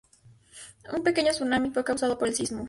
Un pequeño tsunami fue causado por el sismo.